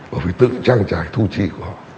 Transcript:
và phải tự trang trải thu trị của họ